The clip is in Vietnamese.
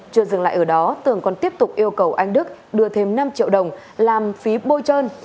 chưa dừng lại ở đó tường còn tiếp tục yêu cầu anh đức đưa thêm năm triệu đồng làm phí bôi trơn